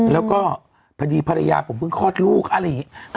แล้วก็พอดีภรรยาผมเพิ่งคลอดลูกอะไรอย่างนี้